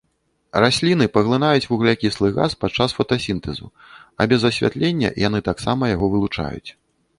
Расліны паглынаюць вуглякіслы газ падчас фотасінтэзу, а без асвятлення яны таксама яго вылучаюць.